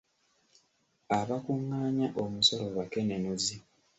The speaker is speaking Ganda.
Abakungaanya omusolo bakenenuzi